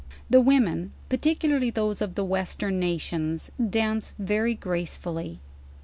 The women, particularly those of the western nations dance very gracefully.